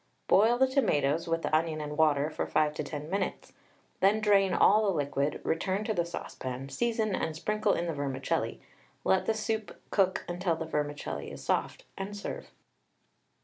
Boil the tomatoes with the onion and water for 5 to 10 minutes, then drain all the liquid; return to the saucepan, season and sprinkle in the vermicelli, let the soup cook until the vermicelli is soft, and serve.